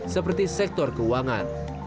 seperti sektor keuangan